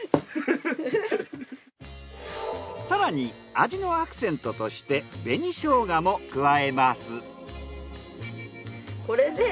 更に味のアクセントとして紅ショウガも加えます。